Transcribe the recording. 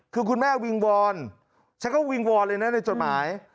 คือคุณแม่วิงวอนฉันก็วิงวอนเลยนะในจดหมาย